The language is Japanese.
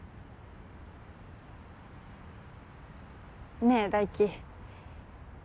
ねえ大樹。